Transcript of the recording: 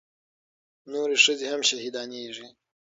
نورې ښځې هم شهيدانېږي.